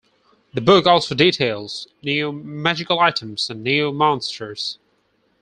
The book also details new magical items and new monsters.